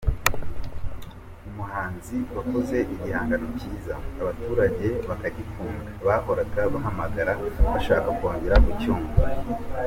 Umuhanzi wakoze igihangano cyiza, abaturage bakagikunda bahoraga bahamagara bashaka kongera kucyumva.